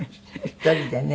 １人でね。